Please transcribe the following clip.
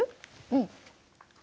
うん。